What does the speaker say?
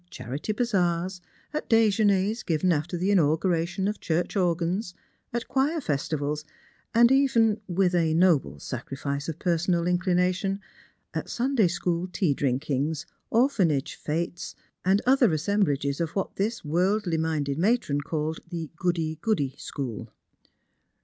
79 charity bazaars, at dejeuners given after the inauguration of church organs, at choir festivals, and even — with a nolile sacri fice of personal inclination— at Sunday school tea drinkinga, orphanage fetes, and other assemblages of what this worldly minded matron called the goody goody school.